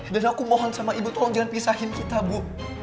dan aku mohon sama ibu tolong jangan pisahin kita bu